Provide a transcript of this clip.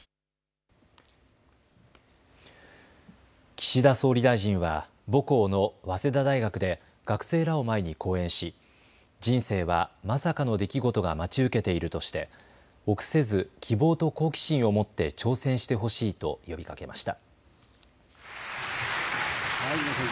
岸田総理大臣は母校の早稲田大学で学生らを前に講演し人生はまさかの出来事が待ち受けているとして臆せず希望と好奇心を持って挑戦してほしいと呼びかけました。